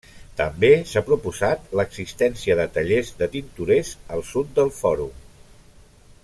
També s'ha proposat l'existència de tallers de tintorers al sud del fòrum.